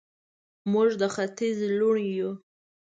موږ د ختیځ لوڼې یو